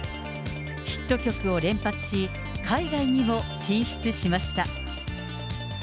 ヒット曲を連発し、海外にも進出しました。